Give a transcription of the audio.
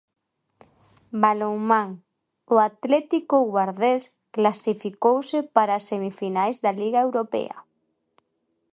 Balonmán, o Atlético Guardés clasificouse para as semifinais da Liga Europea.